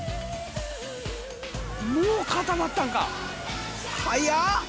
もう固まったんか！？